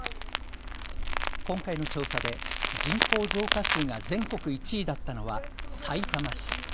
今回の調査で人口増加数が全国１位だったのはさいたま市。